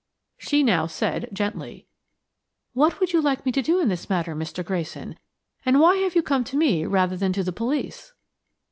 She now said, gently: "What would you like me to do in this matter, Mr. Grayson? And why have you come to me rather than to the police?"